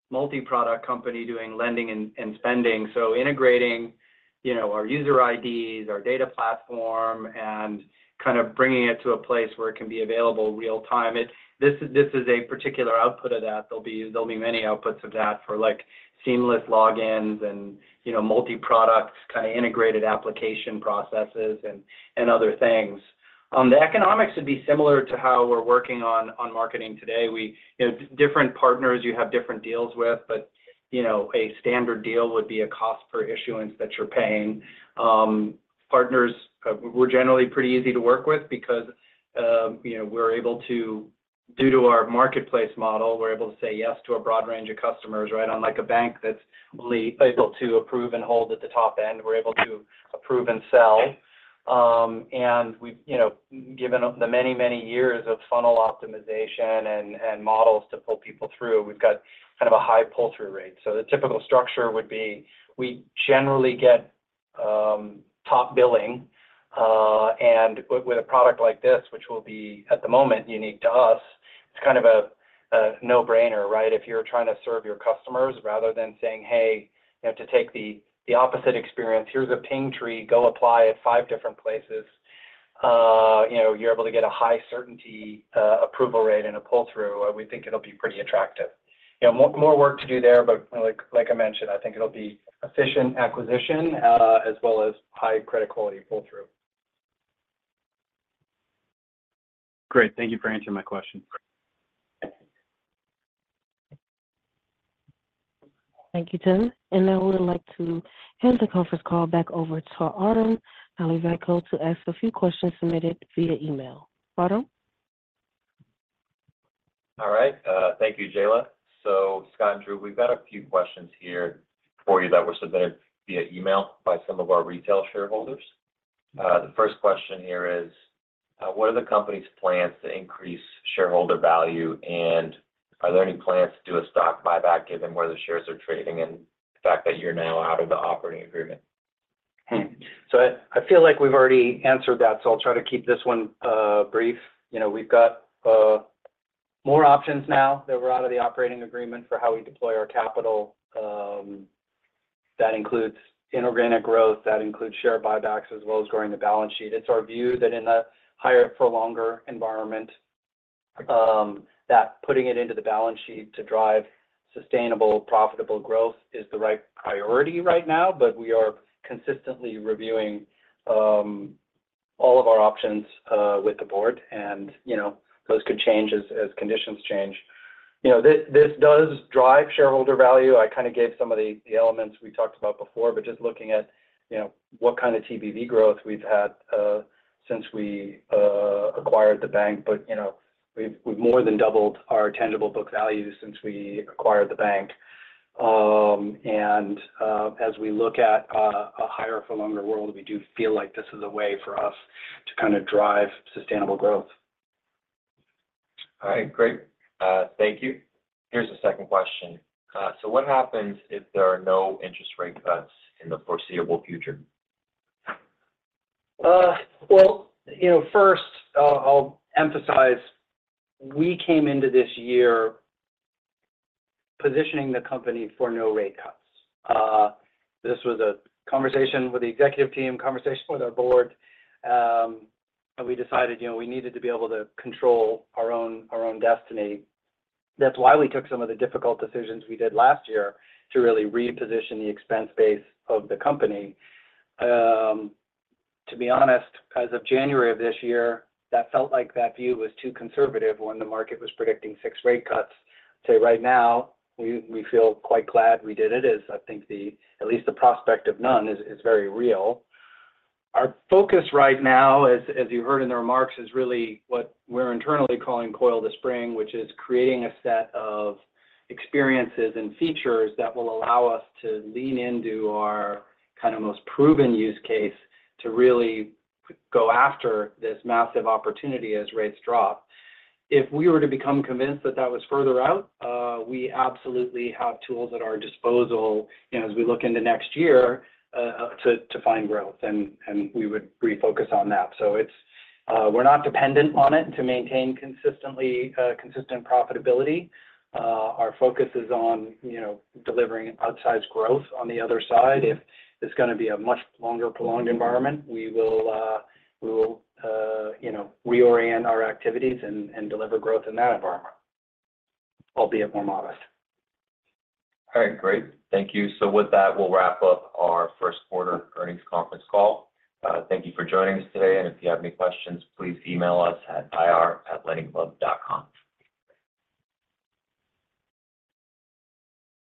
C: multi-product company doing lending and spending. So integrating, you know, our user IDs, our data platform, and kind of bringing it to a place where it can be available real time. This is a particular output of that. There'll be many outputs of that for, like, seamless logins and, you know, multi-product, kind of, integrated application processes and other things. The economics would be similar to how we're working on marketing today. We... You know, different partners you have different deals with, but, you know, a standard deal would be a cost per issuance that you're paying. Partners, we're generally pretty easy to work with because, you know, we're able to, due to our marketplace model, we're able to say yes to a broad range of customers, right? Unlike a bank that's only able to approve and hold at the top end, we're able to approve and sell. And we've, you know, given the many, many years of funnel optimization and models to pull people through, we've got kind of a high pull-through rate. So the typical structure would be, we generally get top billing, and with a product like this, which will be, at the moment, unique to us, it's kind of a no-brainer, right? If you're trying to serve your customers rather than saying, "Hey," you know, to take the opposite experience, "Here's a ping tree, go apply at five different places." You know, you're able to get a high certainty approval rate and a pull-through, we think it'll be pretty attractive. You know, more work to do there, but like I mentioned, I think it'll be efficient acquisition as well as high credit quality pull-through.
L: Great. Thank you for answering my question.
A: Thank you, Tim. I would like to hand the conference call back over to Artem Nalivayko to ask a few questions submitted via email. Artem?
B: All right. Thank you, Jayla. So Scott and Drew, we've got a few questions here for you that were submitted via email by some of our retail shareholders. The first question here is: What are the company's plans to increase shareholder value, and are there any plans to do a stock buyback, given where the shares are trading and the fact that you're now out of the operating agreement?
C: So I, I feel like we've already answered that, so I'll try to keep this one brief. You know, we've got more options now that we're out of the operating agreement for how we deploy our capital. That includes inorganic growth, that includes share buybacks, as well as growing the balance sheet. It's our view that in a higher for longer environment, that putting it into the balance sheet to drive sustainable, profitable growth is the right priority right now. But we are consistently reviewing all of our options with the board, and, you know, those could change as, as conditions change. You know, this, this does drive shareholder value. I kind of gave some of the, the elements we talked about before, but just looking at, you know, what kind of TBV growth we've had since we acquired the bank. You know, we've more than doubled our tangible book value since we acquired the bank. As we look at a higher for longer world, we do feel like this is a way for us to kind of drive sustainable growth.
B: All right, great. Thank you. Here's the second question: So what happens if there are no interest rate cuts in the foreseeable future?
C: Well, you know, first, I'll emphasize, we came into this year positioning the company for no rate cuts. This was a conversation with the executive team, conversation with our board, and we decided, you know, we needed to be able to control our own, our own destiny. That's why we took some of the difficult decisions we did last year to really reposition the expense base of the company. To be honest, as of January of this year, that felt like that view was too conservative when the market was predicting six rate cuts. So right now, we feel quite glad we did it, as I think the... at least the prospect of none is very real. Our focus right now, as you heard in the remarks, is really what we're internally calling coil the spring, which is creating a set of experiences and features that will allow us to lean into our kind of most proven use case to really go after this massive opportunity as rates drop. If we were to become convinced that that was further out, we absolutely have tools at our disposal, you know, as we look into next year, to find growth, and we would refocus on that. So it's, we're not dependent on it to maintain consistently, consistent profitability. Our focus is on, you know, delivering outsized growth on the other side. If it's gonna be a much longer prolonged environment, we will, you know, reorient our activities and deliver growth in that environment, albeit more modest.
B: All right, great. Thank you. So with that, we'll wrap up our first quarter earnings conference call. Thank you for joining us today, and if you have any questions, please email us at ir@lendingclub.com.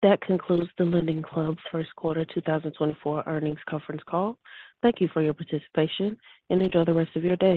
A: That concludes the LendingClub first quarter 2024 earnings conference call. Thank you for your participation, and enjoy the rest of your day.